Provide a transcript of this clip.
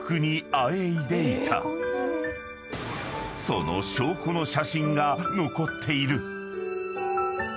［その証拠の写真が残っている］